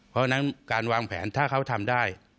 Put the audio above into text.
เพราะฉะนั้นการวางแผนถ้าเขาทำได้